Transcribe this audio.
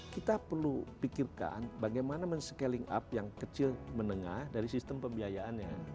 kita perlu pikirkan bagaimana men scaling up yang kecil menengah dari sistem pembiayaannya